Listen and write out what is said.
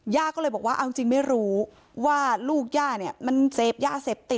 ย่าก็เลยบอกว่าเอาจริงไม่รู้ว่าลูกย่าเนี่ยมันเสพยาเสพติด